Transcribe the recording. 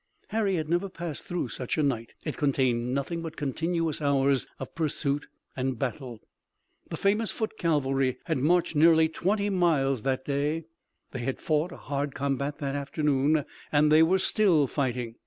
Harry had never passed through such a night. It contained nothing but continuous hours of pursuit and battle. The famous foot cavalry had marched nearly twenty miles that day, they had fought a hard combat that afternoon, and they were still fighting.